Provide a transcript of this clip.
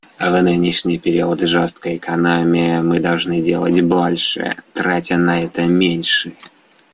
В нынешний период жесткой экономии мы должны делать больше, тратя на это меньше.